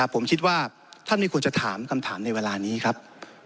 ผมคิดว่าท่านไม่ควรจะถามคำถามในเวลานี้ครับ